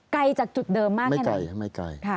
ไกลจากจุดเดิมมากให้ไหนไม่ไกล